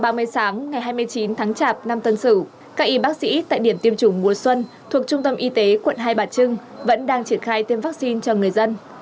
tám giờ ba mươi sáng ngày hai mươi chín tháng chạp năm tân sử các y bác sĩ tại điểm tiêm chủng mùa xuân thuộc trung tâm y tế quận hai bà trưng vẫn đang triển khai tiêm vaccine cho người dân